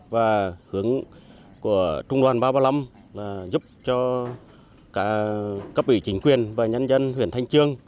và hướng của trung đoàn ba trăm ba mươi năm giúp cho cấp ủy chính quyền và nhân dân huyện thanh chương